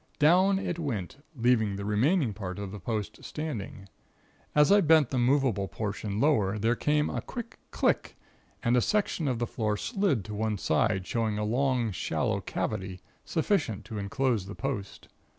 Down it went, leaving the remaining part of the post standing. As I bent the movable portion lower there came a quick click and a section of the floor slid to one side, showing a long, shallow cavity, sufficient to enclose the post.